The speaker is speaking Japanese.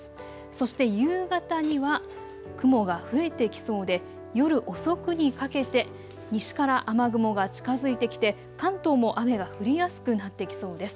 そして夕方には雲が増えてきそうで夜遅くにかけて西から雨雲が近づいてきて関東も雨が降りやすくなってきそうです。